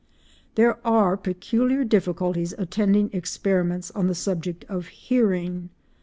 There are peculiar difficulties attending experiments on the subject of hearing.